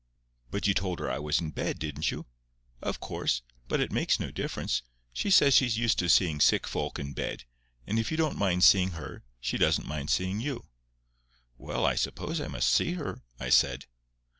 "But you told her I was in bed, didn't you?" "Of course. But it makes no difference. She says she's used to seeing sick folk in bed; and if you don't mind seeing her, she doesn't mind seeing you." "Well, I suppose I must see her," I said.